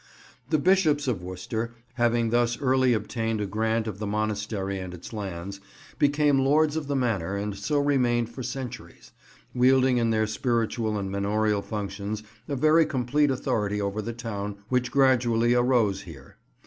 The Bishops of Worcester, having thus early obtained a grant of the monastery and its lands, became lords of the manor and so remained for centuries, wielding in their spiritual and manorial functions a very complete authority over the town which gradually arose here.